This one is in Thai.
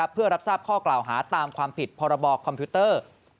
เพื่อรับทราบข้อกล่าวหาตามความผิดพรบคอมพิวเตอร์